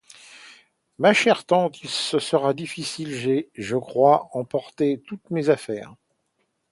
Ma chère tante, ce serait difficile, j’ai, je crois, emporté toutes mes affaires!